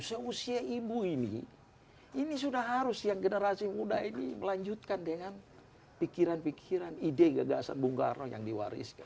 seusia ibu ini ini sudah harus yang generasi muda ini melanjutkan dengan pikiran pikiran ide gagasan bung karno yang diwariskan